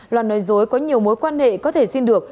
loan nói dối có nhiều mối quan hệ có thể xin được